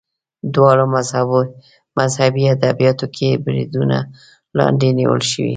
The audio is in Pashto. دواړه مذهبي ادبیاتو کې بریدونو لاندې ونیول شول